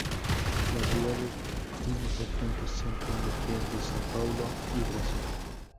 La ciudad es un importante centro industrial de Sao Paulo y Brasil.